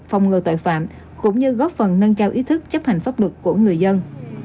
phòng ngừa tội phạm cũng như góp phần nâng cao ý thức chấp hành pháp luật của người dân